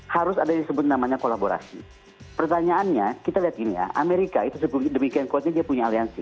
harus ada disebut namanya kolaborasi pertanyaannya kita lihat gini ya amerika itu demikian kuatnya dia punya aliansi